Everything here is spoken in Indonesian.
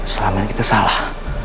selama ini kita salah